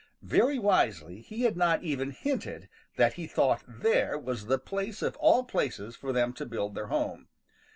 Very wisely he had not even hinted that he thought there was the place of all places for them to build their home.